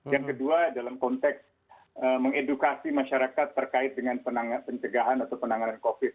yang kedua dalam konteks mengedukasi masyarakat terkait dengan pencegahan atau penanganan covid